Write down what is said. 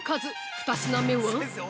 二品目は？